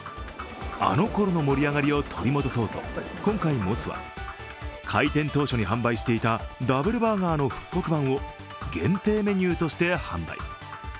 あのころの盛り上がりを取り戻そうと今回、モスは開店当初に販売していたダブルバーガーの復刻版を限定メニューとして販売。